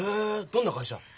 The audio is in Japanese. どんな会社？